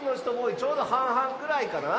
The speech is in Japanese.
ちょうどはんはんぐらいかな。